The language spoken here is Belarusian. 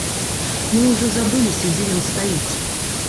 Мы ўжо забыліся, дзе ён стаіць.